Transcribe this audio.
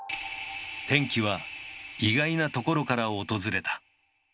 転機は意外なところから訪れた。